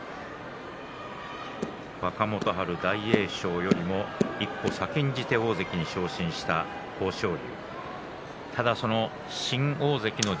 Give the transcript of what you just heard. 若元春、大栄翔よりも一歩先んじて大関に昇進した豊昇龍。